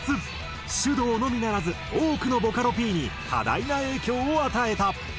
ｓｙｕｄｏｕのみならず多くのボカロＰに多大な影響を与えた。